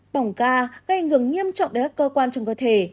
bỏng ga gây ảnh hưởng nghiêm trọng đến các cơ quan trong cơ thể